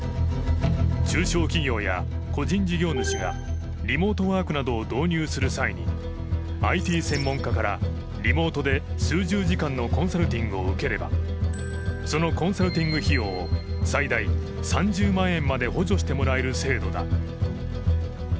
中小企業や個人事業主がリモートワークなどを導入する際にＩＴ専門家からリモートで数十時間のコンサルティングを受ければそのコンサルティング費用を最大３０万円まで補助してもらえる制度だ。